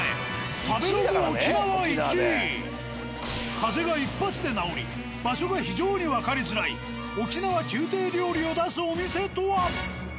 風邪が一発で治り場所が非常にわかりづらい沖縄宮廷料理を出すお店とは。